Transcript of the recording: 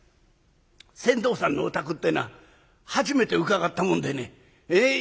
船頭さんのお宅ってえのは初めて伺ったもんでねがっしりしてて。